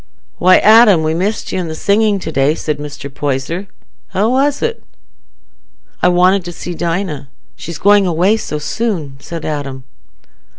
"Why, Adam, we missed you i' the singing to day," said Mr. Poyser. "How was it?" "I wanted to see Dinah—she's going away so soon," said Adam.